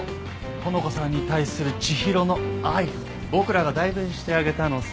穂香さんに対する知博の愛を僕らが代弁してあげたのさ。